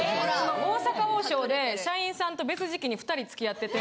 大阪王将で社員さんと別時期に２人付き合ってて。